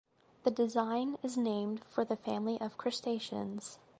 The design is named for the family of crustaceans.